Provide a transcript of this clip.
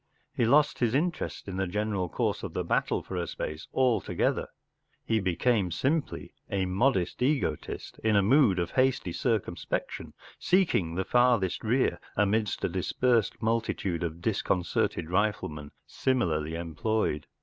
He lost his interest in the general course of the battle for a space altogether; he became simply a modest egotist, in a mood of hasty circumspection, seeking the farthest rear, amidst a dispersed multitude of dis¬ concerted riflemen similarly employed.